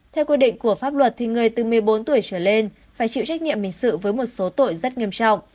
theo quy định của pháp luật người từ một mươi bốn tuổi trở lên phải chịu trách nhiệm hình sự với một số tội rất nghiêm trọng